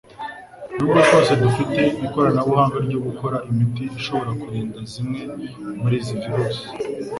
Nubwo rwose dufite ikoranabuhanga ryo gukora imiti ishobora kurinda zimwe muri izi virusi,